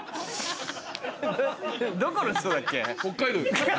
どこの人だっけ？